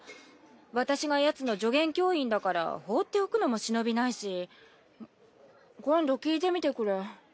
私がヤツの助言教員だから放っておくのも忍びないし今度聞いてみてくれ。